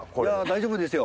大丈夫ですよ